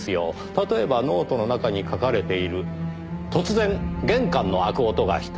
例えばノートの中に書かれている「突然玄関の開く音がした。